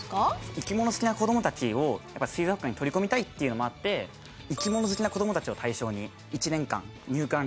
生き物好きな子どもたちを水族館に取り込みたいっていうのもあって生き物好きな子どもたちを対象に１年間入館料を無料にする。